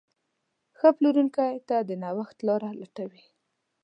ښه پلورونکی تل د نوښت لاره لټوي.